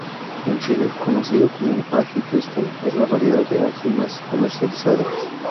En Chile, conocido como ají cristal, es la variedad de ají más comercializada.